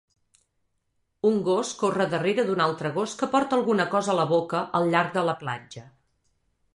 Un gos corre darrera d'un altre gos que porta alguna cosa a la boca al llarg de la platja.